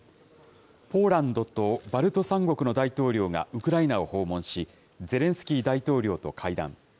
ポーランドとバルト３国の大統領がウクライナを訪問し、ゼレンスキー大統領と会談。